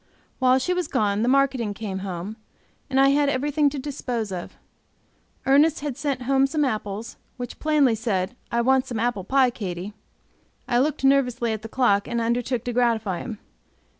While she was gone the marketing came home, and I had everything to dispose of. Ernest had sent home some apples, which plainly said, "I want some apple pie, Katy." I looked nervously at the clock, and undertook to gratify him.